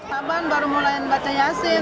taban baru mulai baca yasin